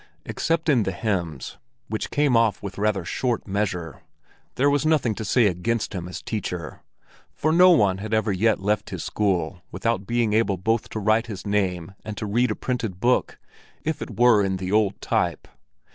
Except in the hymns, which came off with rather short measure, there was nothing to say against him as teacher; for no one had ever yet left his school without being able both to write his name and to read a printed book—if it were in the old type.